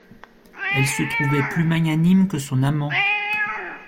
Elle se trouvait plus magnanime que son amant.